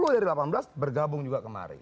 sepuluh dari delapan belas bergabung juga kemari